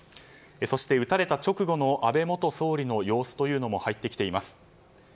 そして撃たれた直後の安倍元総理の様子というのも入ってきています。